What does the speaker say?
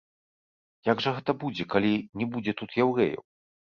Як жа гэта будзе, калі не будзе тут яўрэяў?